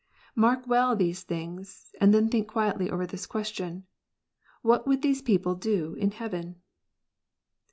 Mark well these things, and then think quietly over this question :" What would these people do in heaven